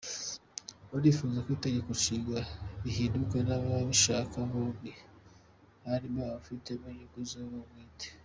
Mu bifuza ko Itegeko Nshinga rihinduka n’abatabishaka, hombi harimo ababifitemo inyungu zabo bwite.